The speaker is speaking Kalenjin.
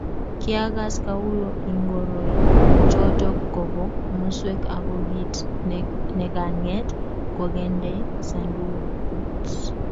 Kiakas kouyo ingoroichotok kobo musweek ako kiit nekang'et kokendeo sandukut.